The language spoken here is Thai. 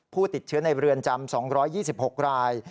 ผู้ติดเชื้อในเรือนจำ๒๒๖ราย